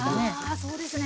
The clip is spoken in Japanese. あそうですね！